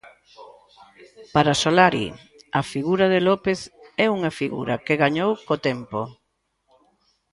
Para Solari, a figura de López é unha figura que gañou co tempo.